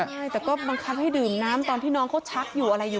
ใช่แต่ก็บังคับให้ดื่มน้ำตอนที่น้องเขาชักอยู่อะไรอยู่